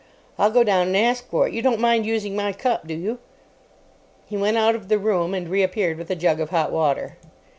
I'll go down and ask for it. You don't mind using my cup, do you?" He went out of the room, and reappeared with a jug of hot water.